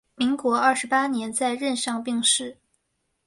民国二十八年在任上病逝。